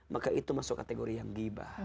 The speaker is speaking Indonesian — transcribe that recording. maka itu masuk kategori yang gibah